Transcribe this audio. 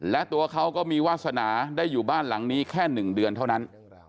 และตัวเขาก็มีวาสนาได้อยู่บ้านหลังนี้แค่๑เดือนเท่านั้น